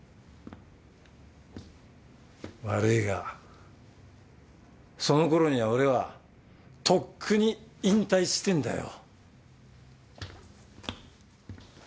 悪いがその頃には俺はとっくに引退してんだよ。